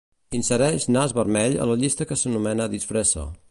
Insereix nas vermell a la llista que s'anomena "disfressa".